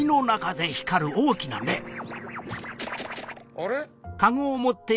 あれ？